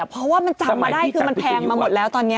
เพราะว่ามันจำมาได้คือมันแพงมาหมดแล้วตอนนี้